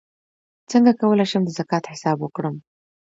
څنګه کولی شم د زکات حساب وکړم